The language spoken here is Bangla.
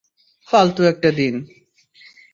ফালতু একটা দিন!